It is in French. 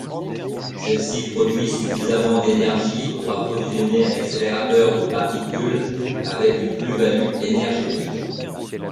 Celle-ci produit suffisamment d'énergie pour approvisionner un accélérateur de particules avec une plus-value énergétique.